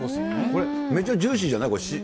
これ、めっちゃジューシーじゃない？